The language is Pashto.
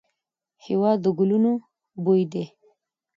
هېواد د ګلونو بوی دی.